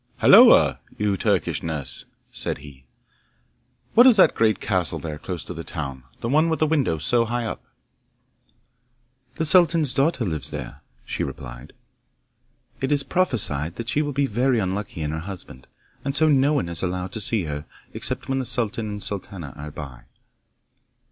'Halloa! you Turkish nurse,' said he, 'what is that great castle there close to the town? The one with the windows so high up?' 'The sultan's daughter lives there,' she replied. 'It is prophesied that she will be very unlucky in her husband, and so no one is allowed to see her except when the sultan and sultana are by.